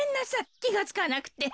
きがつかなくて。